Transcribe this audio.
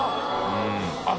あっ！